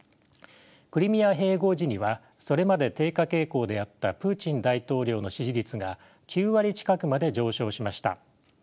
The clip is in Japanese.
クリミア併合時にはそれまで低下傾向であったプーチン大統領の支持率が９割近くまで上昇しました。